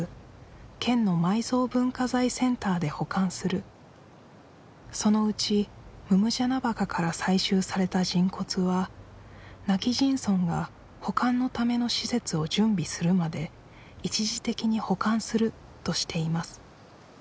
沖縄県はそのうち百按司墓から採集された人骨は今帰仁村が保管のための施設を準備するまで一時的に保管するとしています